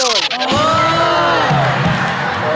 โอ้โห